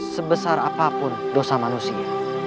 sebesar apapun dosa manusia